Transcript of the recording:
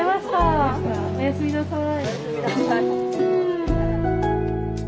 おやすみなさい。